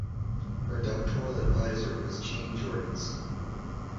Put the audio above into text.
Her doctoral advisor was Jane Jorgenson.